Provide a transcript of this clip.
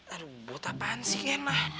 aduh buta apaan sih ken mah